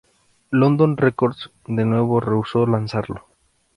London Records de nuevo rehusó lanzarlo.